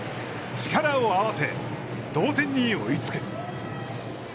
力を合わせ、同点に追いつく。